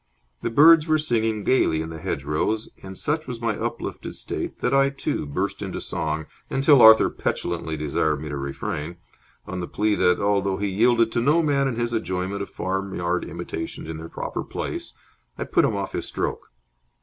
The birds were singing gaily in the hedgerows, and such was my uplifted state that I, too, burst into song, until Arthur petulantly desired me to refrain, on the plea that, though he yielded to no man in his enjoyment of farmyard imitations in their proper place, I put him off his stroke.